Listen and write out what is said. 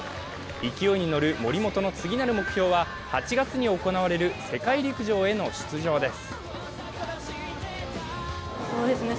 勢いに乗る森本の次なる目標は８月に行われる世界陸上への出場です。